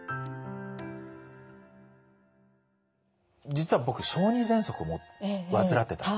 実は僕小児ぜんそくを患ってたんですよね。